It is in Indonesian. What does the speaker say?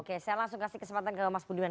oke saya langsung kasih kesempatan ke mas budiman